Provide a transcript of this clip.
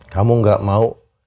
kamu tidak mau